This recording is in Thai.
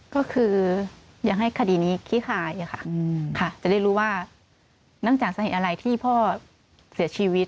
ก็คืออยากให้คดีนี้คิดขายค่ะจะได้รู้ว่านั่งจากสถิติอะไรที่พ่อเสียชีวิต